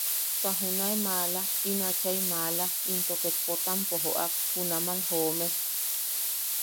Ta junae maala, in achai maala, into ket Potampo joʼak, junaman joome.